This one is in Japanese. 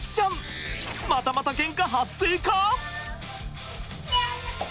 またまたケンカ発生か！？